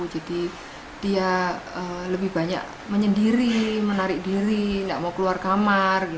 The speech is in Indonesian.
jadi dia lebih banyak menyendiri menarik diri gak mau keluar kamar gitu